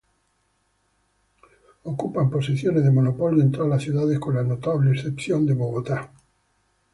Ocupan posiciones de monopolio en todas las ciudades, con la notable excepción de Bogotá.